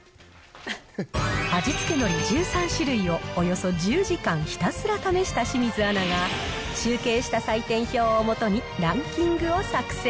味付けのり１３種類をおよそ１０時間ひたすら試した清水アナが集計した採点表をもとに、ランキングを作成。